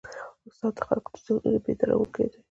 استاد د خلکو د ذهنونو بیدارونکی دی.